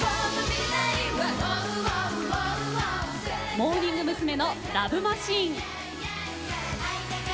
モーニング娘。の「ＬＯＶＥマシーン」。